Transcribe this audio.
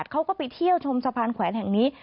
เขาก็ไปเที่ยวชมสะพานแขวนแห่งนี้